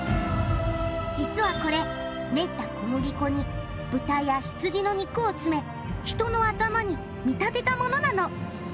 実はこれ練った小麦粉に豚や羊の肉を詰め人の頭に見立てたものなの！